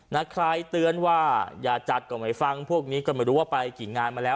นะใครเตือนว่าอย่าจัดก็ไม่ฟังพวกนี้ก็ไม่รู้ว่าไปกี่งานมาแล้ว